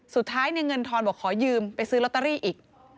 สุดท้ายในเงินทอนบอกขอยืมไปซื้อลอตเตอรี่อีก